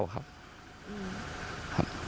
ไม่เล่าครับ